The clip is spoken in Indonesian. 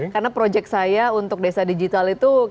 karena proyek saya untuk desa digital itu